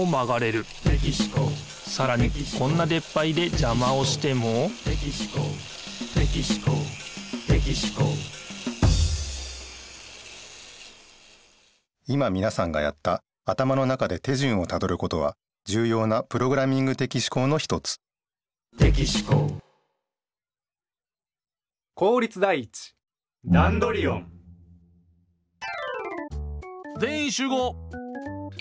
さらにこんなでっぱりでじゃまをしても今みなさんがやった頭の中で手順をたどることはじゅうようなプログラミング的思考の一つぜんいんしゅうごう！